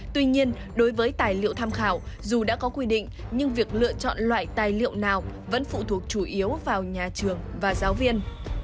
tuy nhiên đối với tài liệu tham khảo dù đã có quy định nhưng việc lựa chọn loại tài liệu nào vẫn phụ thuộc chủ yếu vào nhà trường và giáo viên